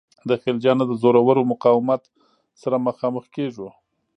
د خلجیانو د زورور مقاومت سره مخامخ کیږو.